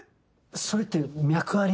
それって脈あり？